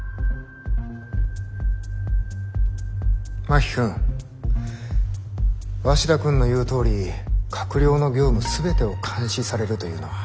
真木君鷲田君の言うとおり閣僚の業務全てを監視されるというのは。